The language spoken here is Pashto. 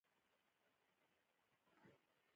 زه له پښتو زه مینه لرم او غواړم ډېجیټل یې کړم!